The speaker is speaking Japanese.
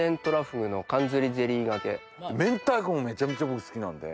明太子もめちゃめちゃ僕好きなんで。